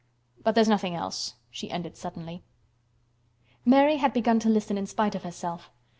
"But there's nothing else," she ended suddenly. Mary had begun to listen in spite of herself.